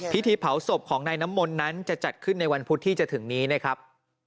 พิธีเผาศพของนายน้ำมนต์นั้นจะจัดขึ้นในวันพุธที่จะถึงนี้นะครับ